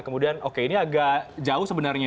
kemudian oke ini agak jauh sebenarnya